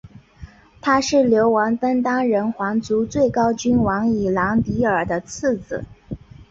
他是流亡登丹人皇族最高君王伊兰迪尔的次子。